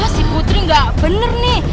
si putri nggak bener nih